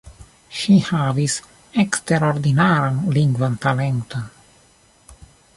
Ŝi havis eksterordinaran lingvan talenton.